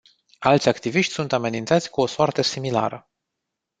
Alți activiști sunt amenințați cu o soartă similară.